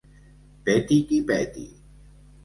Peti qui peti.